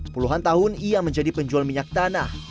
puluhan tahun ia menjadi penjual minyak tanah